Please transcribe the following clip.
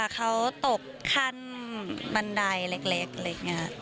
เขาตกขั้นบันไดเล็กอะไรอย่างนี้